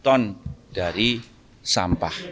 tiga ton dari sampah